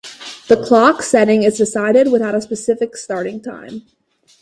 The Clock's setting is decided without a specified starting time.